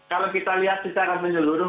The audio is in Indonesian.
kalau kita lihat secara menyeluruh